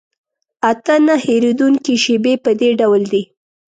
اته نه هېرېدونکي شیبې په دې ډول دي.